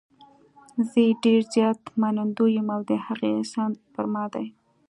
زه یې ډېر زیات منندوی یم او د هغې احسان پر ما دی.